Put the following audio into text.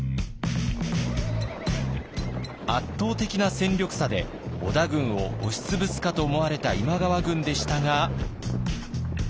圧倒的な戦力差で織田軍を押し潰すかと思われた今川軍でしたが。